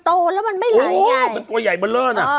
โอ้แกเป็นตัวใหญ่เบอร์เลิ่นน่ะ